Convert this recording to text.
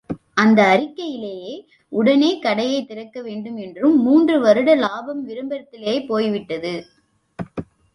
அந்த அறிக்கையிலே, உடனே கடையைத் திறக்கவேண்டும் என்றும், மூன்று வருட லாபம் விளம்பரத்திலே போய்விட்டது.